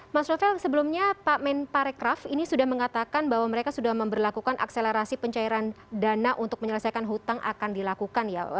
mas novel sebelumnya pak men parekraf ini sudah mengatakan bahwa mereka sudah memperlakukan akselerasi pencairan dana untuk menyelesaikan hutang akan dilakukan ya